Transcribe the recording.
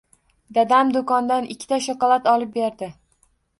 Dadam doʻkondan ikkita shokolad olib berdi.